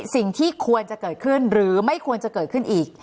สิ่งที่ควรจะเกิดขึ้นหรือไม่ควรจะเกิดขึ้นอีก